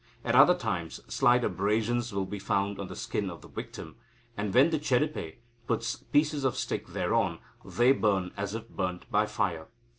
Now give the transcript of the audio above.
At other times, slight abrasions will be found on the skin of the victim, and, when the Chedipe puts pieces of stick thereon, they burn as if burnt by fire.